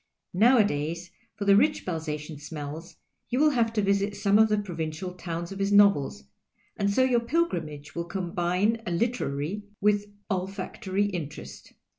Nowadays for the rich Balzacian smells you will have to \'isit some of the provincial towns of his novels, and so your pilgrimage will combine a literary with all factory interest.